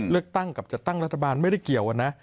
เลือกตั้งกับจัดตั้งรัฐบาลไม่ได้เกี่ยวนะ